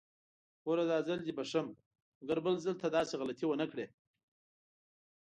ګوره! داځل دې بښم، مګر بل ځل ته داسې غلطي ونکړې!